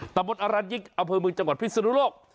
ตะบนอรัญยิกอำเภอเมืองจังหวัดพิศนุโลก